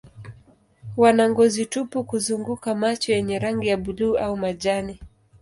Wana ngozi tupu kuzunguka macho yenye rangi ya buluu au majani.